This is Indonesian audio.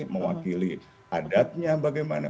mewakili adatnya bagaimana